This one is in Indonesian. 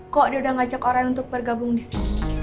kok dia udah ngajak orang untuk bergabung di sini